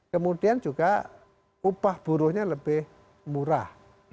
kemudian juga upah buruhnya lebih murah